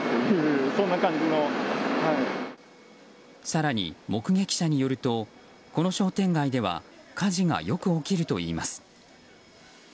更に、目撃者によるとこの商店街では火事がよく起きるといいます。